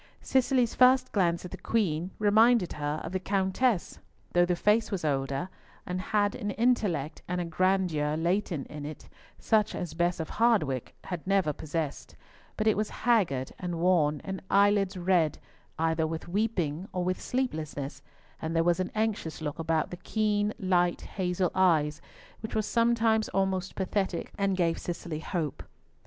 Cicely's first glance at the Queen reminded her of the Countess, though the face was older, and had an intellect and a grandeur latent in it, such as Bess of Hardwicke had never possessed; but it was haggard and worn, the eyelids red, either with weeping, or with sleeplessness, and there was an anxious look about the keen light hazel eyes which was sometimes almost pathetic, and gave Cicely hope.